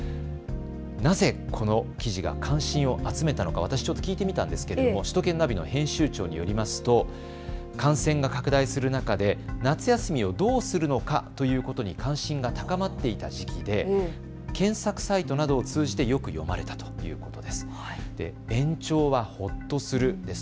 なぜこの記事が関心を集めたのか私ちょっと聞いてみたんですけれども、首都圏ナビの編集長によりますと感染が拡大する中で夏休みをどうするのかということに関心が高まっていた時期で検索サイトなどを通じてよく読まれたということです。